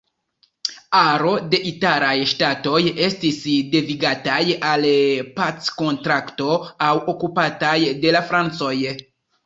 Aro da italaj ŝtatoj estis devigataj al packontrakto aŭ okupataj de la francoj.